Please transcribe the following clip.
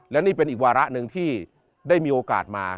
และนี่เป็นอีกวาระหนึ่งที่ได้มีโอกาสมา